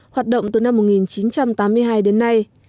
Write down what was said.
hoạt động từ năm một nghìn chín trăm tám mươi hai đến nay